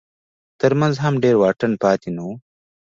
تر منځ هم ډېر واټن پاتې نه و.